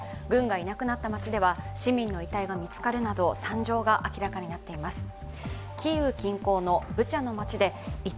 軍がいなくなった街では市民の遺体が見つかるなど惨状が明らかになっています。